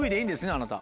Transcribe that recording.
あなた。